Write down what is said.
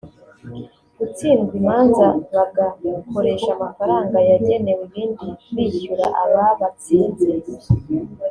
gutsindwa imanza bagakoresha amafaranga yagenewe ibindi bishyura ababatsinze